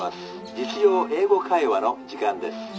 『実用英語会話』の時間です。